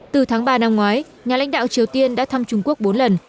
từ tháng ba năm ngoái nhà lãnh đạo triều tiên đã thăm trung quốc bốn lần